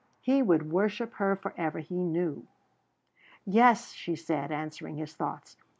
He would worship her for ever, he knew. "Yes," she said, answering his thoughts.